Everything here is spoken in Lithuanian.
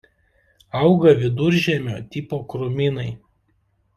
Auga Viduržemio tipo krūmynai.